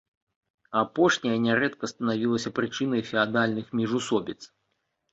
Апошняе нярэдка станавілася прычынай феадальных міжусобіц.